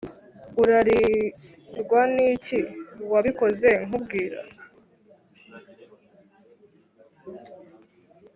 Urarizwa niki wabikoze nkubwira